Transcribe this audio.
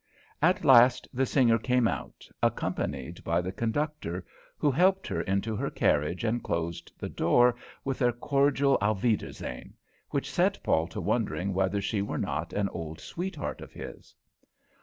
At last the singer came out, accompanied by the conductor, who helped her into her carriage and closed the door with a cordial auf wiedersehen, which set Paul to wondering whether she were not an old sweetheart of his.